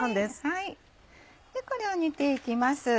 これを煮ていきます。